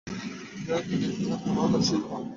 যেন তিনি একজন আক্রমণরত সিংহ।